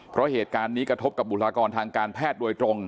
เพราะเหตุการณ์นี้กระทบกับบุคลากรทางการแพทย์โดยตรง